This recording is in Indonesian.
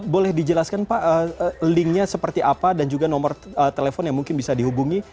boleh dijelaskan pak linknya seperti apa dan juga nomor telepon yang mungkin bisa dihubungi